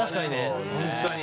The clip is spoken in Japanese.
本当に。